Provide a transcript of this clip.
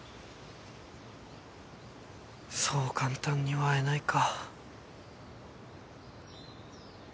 そう簡単には会えないか。